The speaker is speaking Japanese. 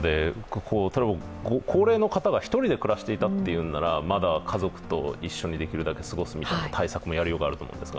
高齢の方が１人で暮らしていたというならまだ家族と一緒にできるだけ過ごすみたいな対策もやりようがあると思うんですが、